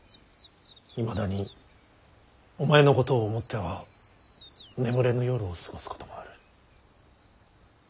いまだにお前のことを思っては眠れぬ夜を過ごすこともある。